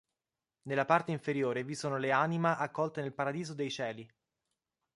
Nella parte inferiore vi sono le anima accolte nel paradiso dei cieli.